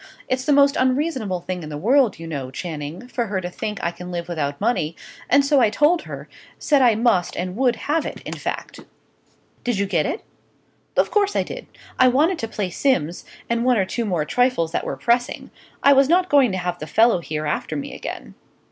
It's the most unreasonable thing in the world, you know, Channing, for her to think I can live without money, and so I told her said I must and would have it, in fact." "Did you get it?" "Of course I did. I wanted to pay Simms, and one or two more trifles that were pressing; I was not going to have the fellow here after me again.